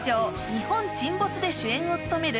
「日本沈没」で主演を務める